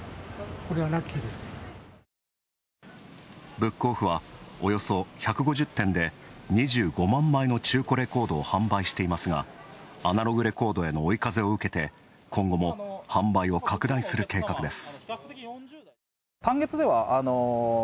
ブックオフは、およそ１５０店で２５万枚の中古レコードを販売していますがアナログレコードへの追い風を受けて販売を拡大する計画です。